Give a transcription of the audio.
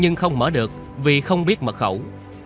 đối tượng không mở được vì không biết mật khẩu